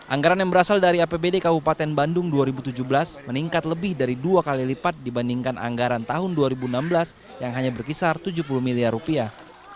anggaran yang berasal dari apbd kabupaten bandung dua ribu tujuh belas meningkat lebih dari dua kali lipat dibandingkan anggaran tahun dua ribu enam belas yang hanya berkisar tujuh puluh miliar rupiah